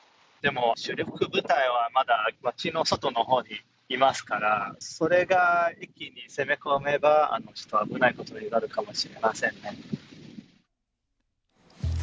でも、主力部隊はまだ町の外のほうにいますから、それが一気に攻め込めば、ちょっと危ないことになるかもしれませんね。